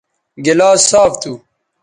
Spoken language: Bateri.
گلاس صاف تھو